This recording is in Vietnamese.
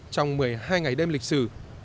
trong một mươi hai ngày đêm lịch sử